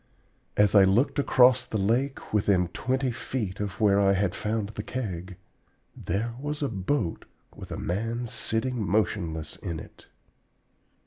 As I looked across the lake, within twenty feet of where I had found the Keg, there was a boat with a man sitting motionless in it!